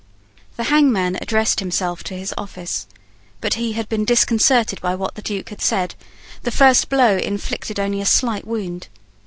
The hangman addressed himself to his office. But he had been disconcerted by what the Duke had said. The first blow inflicted only a slight wound.